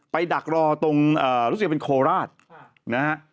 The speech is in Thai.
ไปดักรอตรงรู้สึกจะเป็นโคลราช